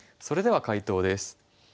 それでは解答です。